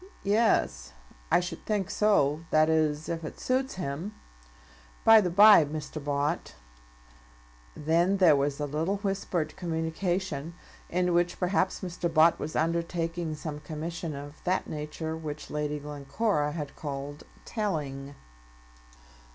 "Yes; I should think so; that is, if it suits him. By the by, Mr. Bott " Then there was a little whispered communication, in which perhaps Mr. Bott was undertaking some commission of that nature which Lady Glencora had called "telling."